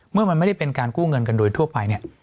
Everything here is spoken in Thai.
เมื่อมันไม่ได้เป็นการกู้เงินกันโดยทั่วไปเนี่ย